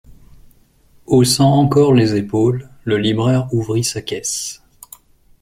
Haussant encore les épaules, le libraire ouvrit sa caisse.